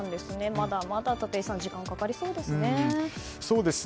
まだまだ、立石さん時間かかりそうですね。